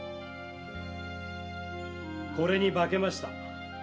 これに化けました。